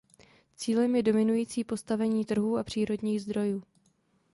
Cílem je dominující postavení trhů a přírodních zdrojů.